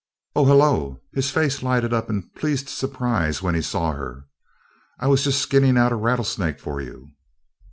"Oh, hello!" His face lighted up in pleased surprise when he saw her. "I was jest skinnin' out a rattlesnake for you."